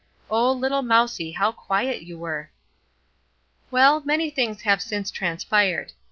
Oh, little mousie, how quiet you were! "Well, many things have since transpired.